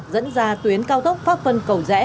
dẫn ra tuyến cao tốc pháp vân cầu rẽ